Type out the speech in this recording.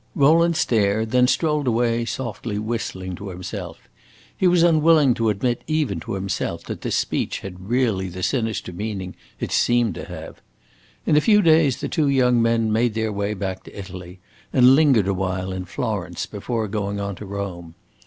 Rowland stared, then strolled away, softly whistling to himself. He was unwilling to admit even to himself that this speech had really the sinister meaning it seemed to have. In a few days the two young men made their way back to Italy, and lingered a while in Florence before going on to Rome.